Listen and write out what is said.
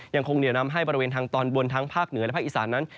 ยังคงเหนียวนำให้บริเวณทางตอนบนทั้งภาคเหนือและภาคอีสานนั้น